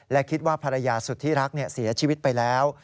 และคิดว่าภรรยาสุธิรักเสียชีวิตไปแล้ว